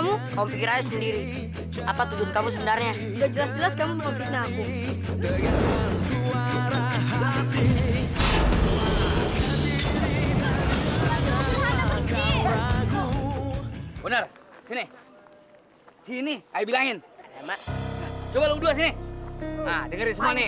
makanya aku terakhir kau ambillah kau ambil aku yang bikin ini semua kamu ngapain di sini